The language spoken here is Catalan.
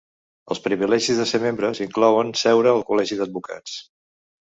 Els privilegis de ser membres inclouen seure al Col·legi d'Advocats.